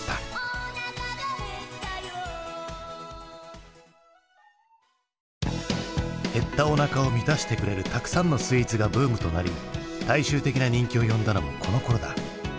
「お腹がへったよ」減ったおなかを満たしてくれるたくさんのスイーツがブームとなり大衆的な人気を呼んだのもこのころだ。